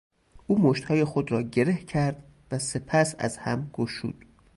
او مشتهای خود را گره کرد و سپس از هم گشود.